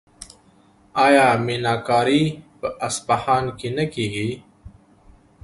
آیا میناکاري په اصفهان کې نه کیږي؟